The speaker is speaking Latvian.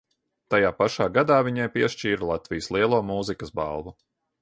Tai pašā gadā viņai piešķīra Latvijas Lielo mūzikas balvu.